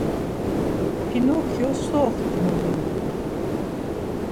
Pinokyo so oxtimoni ivu?